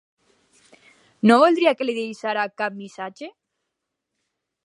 No voldria que li deixara cap missatge?